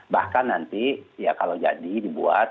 bahkan nanti ya kalau jadi dibuat